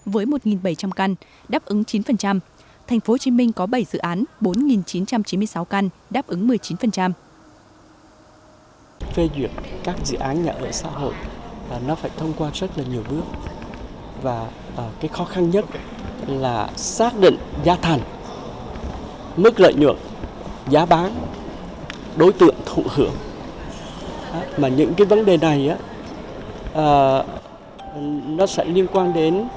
với một bảy trăm linh căn đáp ứng chín thành phố hồ chí minh có bảy dự án bốn chín trăm chín mươi sáu căn đáp ứng một mươi chín